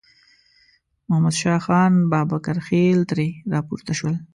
محمد شاه خان بابکرخېل ترې راپورته شول.